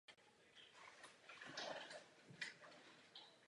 Nejvíce ceněna je však jeho práce na poli pedagogickém.